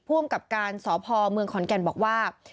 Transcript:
อำกับการสพเมืองขอนแก่นบอกว่า